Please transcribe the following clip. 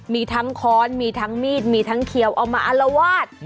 มีทั้งค้อนมีทั้งมีดมีทั้งเขียวเอามาอารวาส